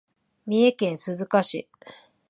三重県鈴鹿市